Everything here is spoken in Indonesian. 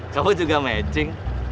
kamu juga matching